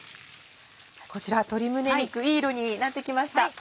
こちら鶏胸肉いい色になってきました。